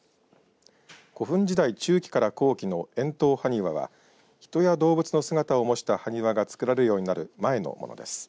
古墳時代中期から後期の円筒埴輪は人や動物の姿を模した埴輪がつくられるようになる前のものです。